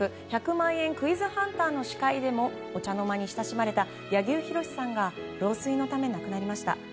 「１００万円クイズハンター」の司会でもお茶の間に親しまれた柳生博さんが老衰のため亡くなりました。